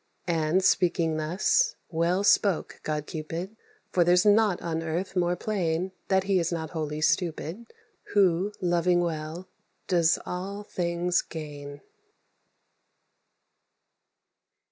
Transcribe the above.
And, speaking thus, well spoke god Cupid; For there's nought on earth more plain That he is not wholly stupid Who, loving well, does all things gain.